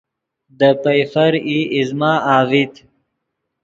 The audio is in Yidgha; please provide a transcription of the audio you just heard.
دے پئیفر ای ایزمہ اڤیت